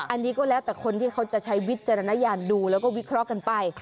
อันนี้ก็แล้วแต่คนที่เขาจะใช้วิจารณญาณดูแล้วก็วิเคราะห์กันไป